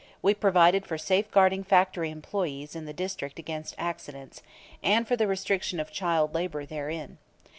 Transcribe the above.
We provided for safeguarding factory employees in the District against accidents, and for the restriction of child labor therein.